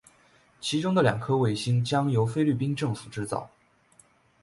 其中的两颗卫星将由菲律宾政府制造。